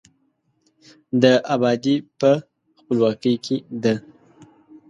د آبادي په، خپلواکۍ کې ده.